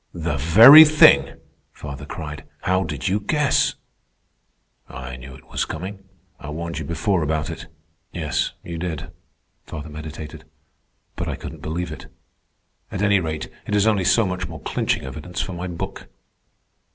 "The very thing!" father cried. "How did you guess?" "I knew it was coming. I warned you before about it." "Yes, you did," father meditated. "But I couldn't believe it. At any rate, it is only so much more clinching evidence for my book."